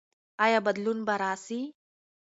ایا بدلون به راسي؟